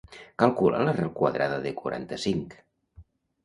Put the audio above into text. Calcula l'arrel quadrada de quaranta-cinc.